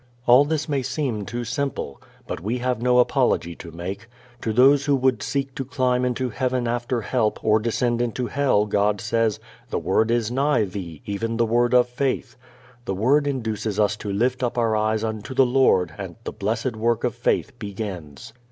All this may seem too simple. But we have no apology to make. To those who would seek to climb into heaven after help or descend into hell God says, "The word is nigh thee, even the word of faith." The word induces us to lift up our eyes unto the Lord and the blessed work of faith begins.